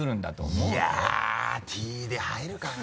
いやぁ「Ｔ」で入るかな？